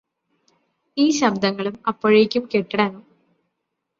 ഈ ശബ്ദങ്ങളും അപ്പോഴേയ്കും കെട്ടടങ്ങും